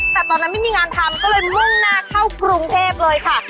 แต่ตอนนั้นไม่มีงานทำก็เลยมุ่งหน้าเข้ากรุงเทพเลยค่ะ